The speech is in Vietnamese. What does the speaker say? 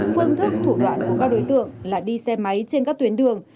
phương thức thủ đoạn của các đối tượng là đi xe máy trên các tuyến đường